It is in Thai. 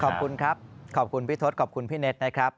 ขอบคุณครับขอบคุณพี่ทศขอบคุณพี่เน็ตนะครับ